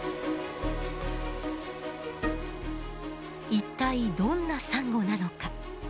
一体どんなサンゴなのか。